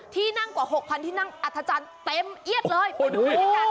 ที่นั่งกว่า๖คันที่นั่งอัธจันทร์เต็มเอียดเลย